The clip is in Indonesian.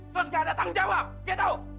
terus gak ada tanggung jawab gitu